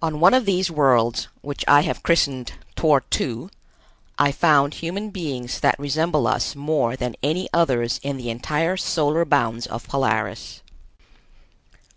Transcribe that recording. On one of these worlds, which I have christened Tor tu, I found human beings that resemble us more than any others in the entire solar bounds of Polaris.